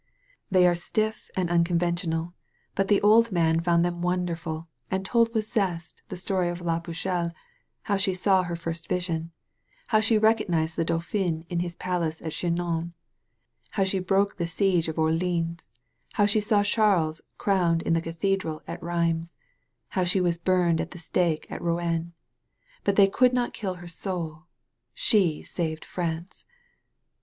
Th^ are stiff and conventional, but the old man found 120 THE MAID OF FRANCE them wonderful and told with zest the stoiy of La PuceUe — how she saw her first vision; how she recognized the Dauphin in his palace at Chinon; how she broke the si^e of Orleans; how she saw Charles crowned in the cathedral at Bheims; how she was burned at the stake in Rouen. But they could not kill her soul. She saved France.